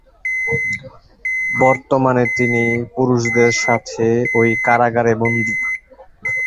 বর্তমানে তিনি পুরুষদের সাথে ওই কারাগারে বন্দি।